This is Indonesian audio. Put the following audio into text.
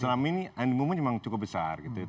selama ini animonya memang cukup besar gitu ya